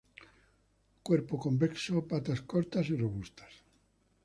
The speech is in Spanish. Cuerpo convexo, patas cortas y robustas.